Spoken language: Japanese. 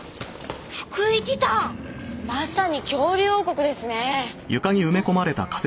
まさに恐竜王国ですね！